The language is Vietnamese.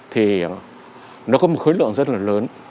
thì nó có một khối lượng rất là lớn